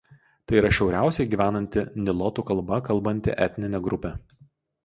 Tai yra šiauriausiai gyvenanti nilotų kalba kalbanti etninė grupė.